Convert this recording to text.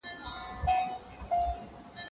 که تاسي رښتیا وایاست نو دغه کار په پښتو کي ثبت کړئ.